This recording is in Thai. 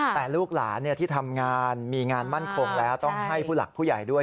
แต่ลูกหลานที่ทำงานมีงานมั่นคงแล้วต้องให้ผู้หลักผู้ใหญ่ด้วย